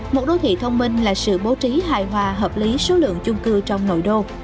một đô thị thông minh là sự bố trí hài hòa hợp lý số lượng chung cư trong nội đô